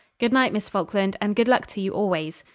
Good night, Miss Falkland, and good luck to you always.'